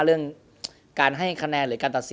เรื่องการให้คะแนนหรือการตัดสิน